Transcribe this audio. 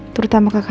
terutama kak reina